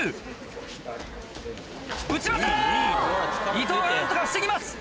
伊藤が何とか防ぎます。